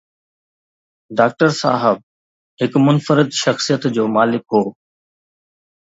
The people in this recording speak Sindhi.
ڊاڪٽر صاحب هڪ منفرد شخصيت جو مالڪ هو.